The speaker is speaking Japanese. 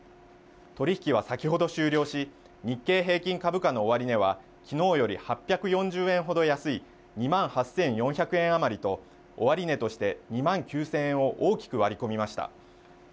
取り引きは先ほど終了し日経平均株価の終値はきのうより８４０円ほど安い２万８４００円余りと終値として２万９０００円を大きく割り込みました。